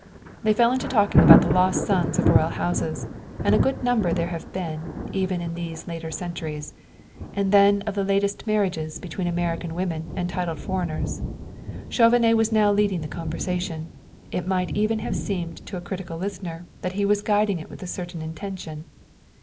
They fell to talking about the lost sons of royal houses and a goodly number there have been, even in these later centuries and then of the latest marriages between American women and titled foreigners. Chauvenet was now leading the conversation; it might even have seemed to a critical listener that he was guiding it with a certain intention.